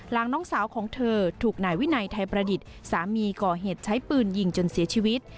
น้องสาวของเธอถูกนายวินัยไทยประดิษฐ์สามีก่อเหตุใช้ปืนยิงจนเสียชีวิต